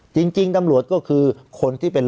จริงตำรวจก็คือคนที่เป็น